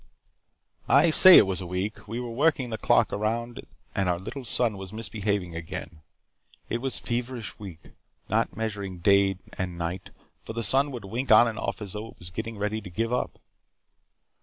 "I say it was a week. We were working the clock around and our little sun was misbehaving again. It was a feverish week, not measured by day and night, for the sun would wink on and off as though it were getting ready to give up.